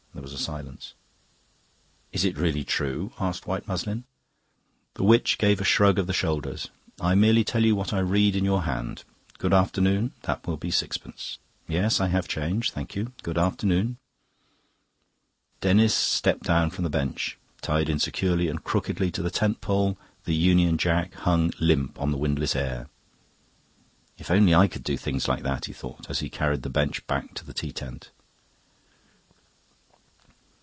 There was a silence. "Is it really true?" asked white muslin. The witch gave a shrug of the shoulders. "I merely tell you what I read in your hand. Good afternoon. That will be sixpence. Yes, I have change. Thank you. Good afternoon." Denis stepped down from the bench; tied insecurely and crookedly to the tentpole, the Union Jack hung limp on the windless air. "If only I could do things like that!" he thought, as he carried the bench back to the tea tent.